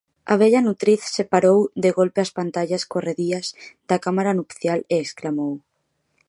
A vella nutriz separou de golpe as pantallas corredías da cámara nupcial e exclamou: